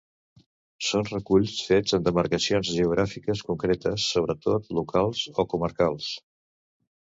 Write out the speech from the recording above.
Són reculls fets en demarcacions geogràfiques concretes, sobretot locals o comarcals.